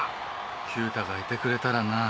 九太がいてくれたらな。